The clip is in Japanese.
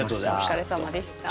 お疲れさまでした。